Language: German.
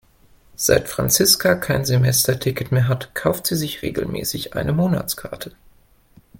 Seit Franziska kein Semesterticket mehr hat, kauft sie sich regelmäßig eine Monatskarte.